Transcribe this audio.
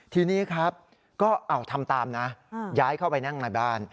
ทีนี้ครับก็ทำตามนะย้ายเข้าไปนั่งในบ้าน